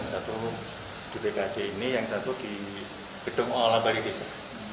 satu di bkd ini yang satu di gedung olahraga desa